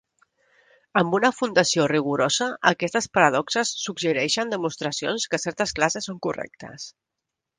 Amb una fundació rigorosa, aquestes paradoxes suggerixen demostracions que certes classes són correctes.